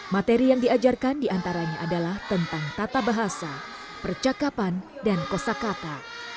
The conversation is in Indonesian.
materi yang diajarkan diantaranya adalah tentang tata bahasa percakapan dan kosa kata